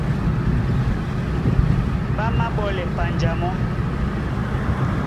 Ɓá máɓɔ́lɛ panja mɔ́.